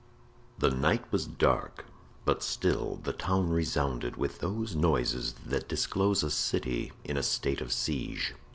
The night was dark, but still the town resounded with those noises that disclose a city in a state of siege.